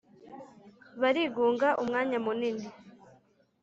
Barigunga umwanya munini